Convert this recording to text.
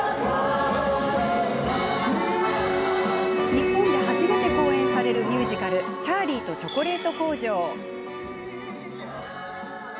日本で初めて公演されるミュージカル「チャーリーとチョコレート工場」。